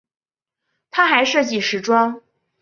她还设计时装。